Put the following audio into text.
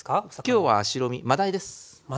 今日は白身マダイです。